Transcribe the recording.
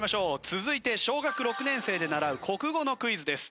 続いて小学６年生で習う国語のクイズです。